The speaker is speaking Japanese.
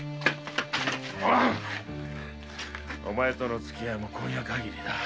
お前とのつきあいも今夜限りだ。